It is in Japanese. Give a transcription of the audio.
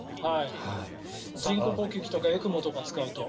人工呼吸器とかＥＣＭＯとか使うと。